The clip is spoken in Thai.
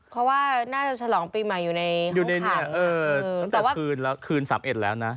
เพราะว่าน่าจะฉลองปีใหม่อยู่ในห้องขังตั้งแต่คืน๓๑แล้วนะ